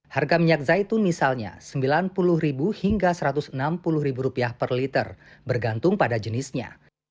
harga minyak zaitun misalnya rp sembilan puluh hingga rp satu ratus enam puluh per liter bergantung pada jenisnya